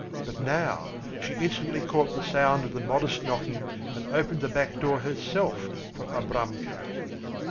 But now she instantly caught the sound of the modest knocking and opened the back door herself for Abramka.